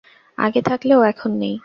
আগে থাকলেও এখন নেই।